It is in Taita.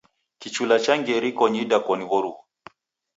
Kichula changia irikonyi idakoni w'oruw'u.